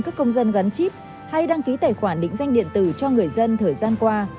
các công dân gắn chip hay đăng ký tài khoản định danh điện tử cho người dân thời gian qua